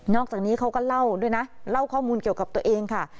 อกจากนี้เขาก็เล่าด้วยนะเล่าข้อมูลเกี่ยวกับตัวเองค่ะ